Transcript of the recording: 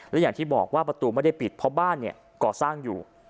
และอย่างที่บอกว่าประตูไม่ได้ปิดเพราะบ้านก่อสร้างอยู่